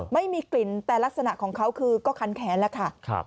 ไม่มีกลิ่นแต่ลักษณะของเขาคือก็คันแขนแล้วค่ะ